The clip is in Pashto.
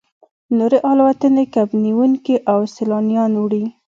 نورې الوتنې کب نیونکي او سیلانیان وړي